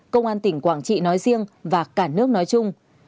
công an tỉnh quảng trị nói riêng và cả nước nói chung